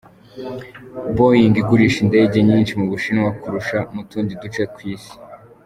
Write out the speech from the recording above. "Boeing igurisha indege nyinshi mu Bushinwa kurusha mu tundi duce tw'isi.